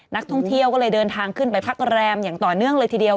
นักท่องเที่ยวก็เลยเดินทางขึ้นไปพักแรมอย่างต่อเนื่องเลยทีเดียว